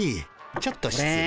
ちょっとしつ礼。